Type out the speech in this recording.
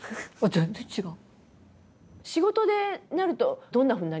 全然違う！